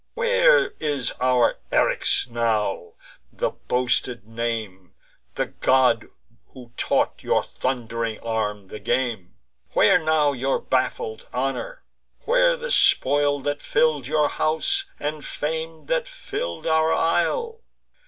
Where is our Eryx now, the boasted name, The god who taught your thund'ring arm the game? Where now your baffled honour? Where the spoil That fill'd your house, and fame that fill'd our isle?"